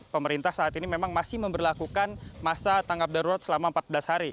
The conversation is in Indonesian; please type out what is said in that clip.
pemerintah saat ini memang masih memperlakukan masa tanggap darurat selama empat belas hari